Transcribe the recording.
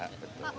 pak untuk lah